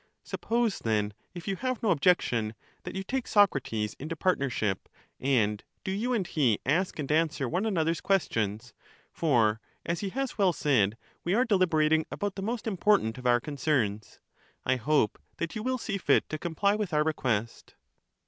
Suppose, then, if you have no objection, that you take Socrates into partnership; and do you and he ask and answer one another's ques tions: for, as he has well said, we are deliberating about the most important of our concerns. I hope that you will see fit to comply with our request.